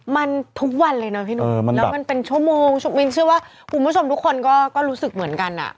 มันทุกวันเลยนะพี่หนุ่มแล้วมันเป็นชั่วโมงมิ้นเชื่อว่าคุณผู้ชมทุกคนก็รู้สึกเหมือนกันอ่ะ